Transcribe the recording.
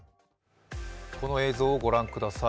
この映像、ご覧ください。